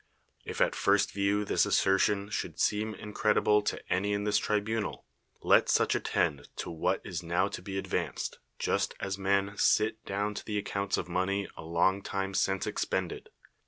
If at first view this assertit)n should seem incredible to any in this tribunal, let such attend to what is now to be advanced, just as men sit down to the accounts of money a long time since ex])ended.